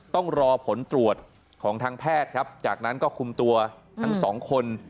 ต้องรอผลตรวจของทางแพทย์ครับจากนั้นก็คุมตัวทั้งสองคน